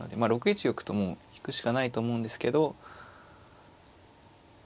６一玉ともう引くしかないと思うんですけど。